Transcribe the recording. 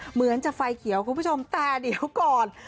เหมือนจะไฟเขียวคุณผู้ชมแต่เดี๋ยวก่อน